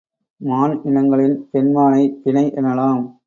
மான் இனங்களின் பெண் மானைப் பிணை எனலாம்.